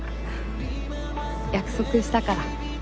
約束したから。